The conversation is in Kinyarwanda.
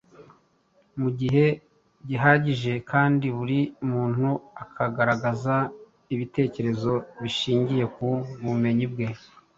mu gihe gihagije kandi buri muntu akagaragaza ibitekerezo bishingiye ku bumenyi bwe